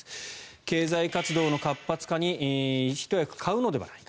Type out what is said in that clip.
経済活動の活発化にひと役買うのではないか